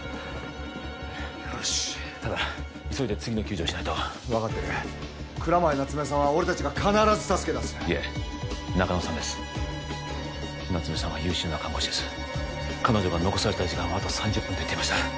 よしただ急いで次の救助をしないと分かってる蔵前夏梅さんは俺達が必ず助け出すいえ中野さんです夏梅さんは優秀な看護師です彼女が「残された時間はあと３０分」と言っていました